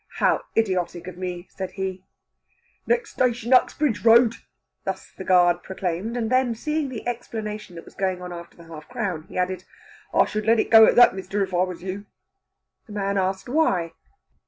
"How idiotic of me!" said he. "Next station Uxbridge Road," thus the guard proclaimed; and then, seeing the exploration that was going on after the half crown, he added: "I should let it go at that, mister, if I was you." The man asked why?